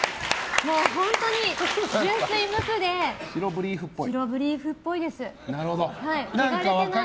もう本当に純粋無垢で白ブリーフっぽいです。